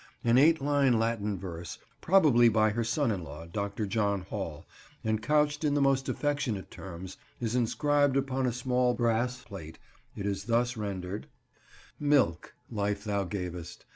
An eight line Latin verse, probably by her son in law, Dr. John Hall, and couched in the most affectionate terms, is inscribed upon a small brass plate; it is thus rendered— "Milk, life thou gavest.